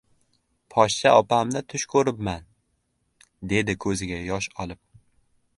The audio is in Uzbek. — Poshsha opamni tush ko‘ribman, — dedi ko‘ziga yosh olib.